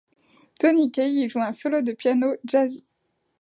Tony Kaye y joue un solo de piano jazzy.